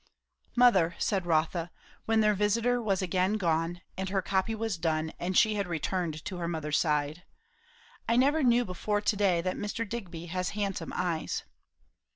"Mother," said Rotha, when their visiter was again gone and her copy was done and she had returned to her mother's side, "I never knew before to day that Mr. Digby has handsome eyes."